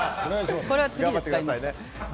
これは次で使いますから。